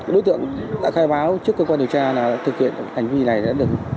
đối tượng đã khai báo trước cơ quan điều tra là thực hiện hành vi này đã được